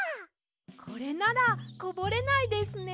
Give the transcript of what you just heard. これならこぼれないですね！